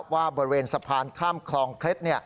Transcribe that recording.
ว่าบริเวณสะพานข้ามคลองเคล็ด